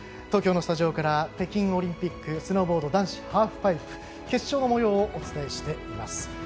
東京のスタジオから北京オリンピックスノーボード男子ハーフパイプ決勝のもようをお伝えしています。